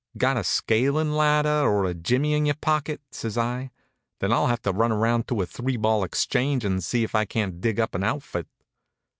"Got a scalin' ladder and a jimmy in your pocket?" says I. "Then I'll have to run around to a three ball exchange and see if I can't dig up an outfit."